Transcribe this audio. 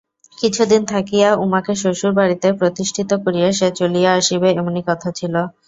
কিছুদিন থাকিয়া উমাকে শ্বশুরবাড়িতে প্রতিষ্ঠিত করিয়া সে চলিয়া আসিবে এমনি কথা ছিল।